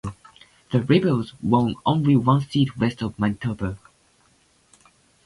The Liberals won only one seat west of Manitoba.